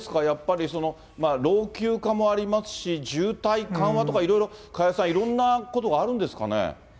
やっぱり老朽化もありますし、渋滞緩和とかいろいろ、加谷さん、いろんなことがあるんですかね？